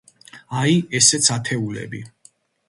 აი, ესეც ათეულები.